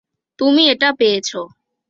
তুমি এটা পেয়েছ।